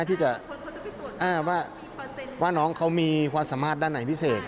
ที่จะอ้างว่าน้องเขามีความสามารถด้านไหนพิเศษ